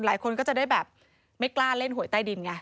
หลายคนก็จะได้แบบไม่กล้าเล่นหวยใต้ดินไง